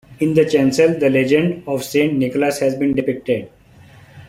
In the chancel, the legend of Saint Nicholas has been depicted.